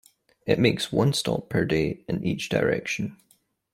It makes one stop per day in each direction.